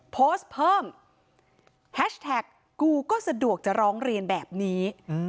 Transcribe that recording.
โพสต์เพิ่มแฮชแท็กกูก็สะดวกจะร้องเรียนแบบนี้